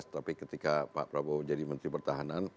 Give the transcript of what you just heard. tapi ketika pak prabowo jadi menteri pertahanan